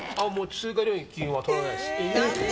追加料金は取らないです。